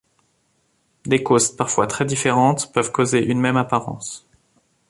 Des causes parfois très différentes peuvent causer une même apparence.